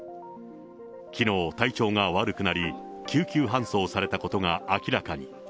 きのう体調が悪くなり、救急搬送されたことが明らかに。